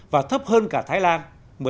và thấp hơn cả thái lan